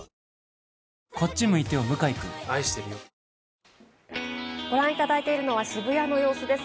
ニトリご覧いただいているのは渋谷の様子です。